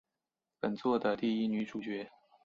本作的第一女主角。